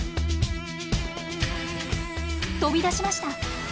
飛び出しました！